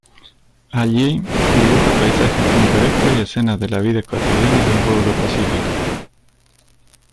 Allí, dibuja paisajes pintorescos y escenas de la vida cotidiana de un pueblo pacífico.